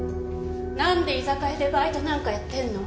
なんで居酒屋でバイトなんかやってんの？